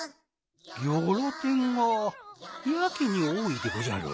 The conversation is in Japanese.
ギョロてんがやけにおおいでごじゃる。